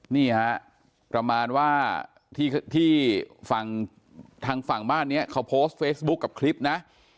นี่ฮะประมาณว่าที่ฝั่งทางฝั่งบ้านนี้เขาโพสต์เฟซบุ๊คกับคลิปนะ